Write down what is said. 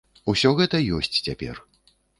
Усё гэта ёсць цяпер.